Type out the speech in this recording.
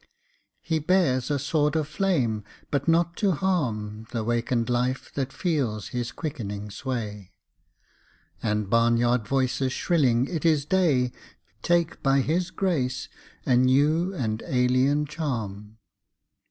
He bears a sword of flame but not to harm The wakened life that feels his quickening sway And barnyard voices shrilling "It is day!" Take by his grace a new and alien charm.